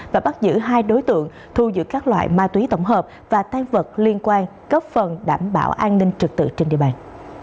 và bắt giữ hai đối tượng thu giữ các loại ma túy tổng hợp và tai vật liên quan cấp phần đảm bảo an ninh trực tự trên địa bàn